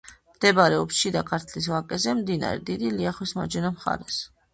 მდებარეობს შიდა ქართლის ვაკეზე, მდინარე დიდი ლიახვის მარჯვენა მხარეს.